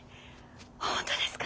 本当ですか？